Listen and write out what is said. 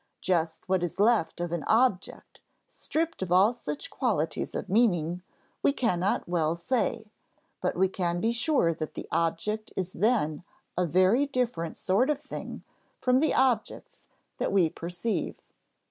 Just what is left of an object stripped of all such qualities of meaning, we cannot well say; but we can be sure that the object is then a very different sort of thing from the objects that we perceive.